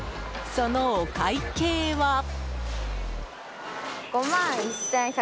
そのお会計は。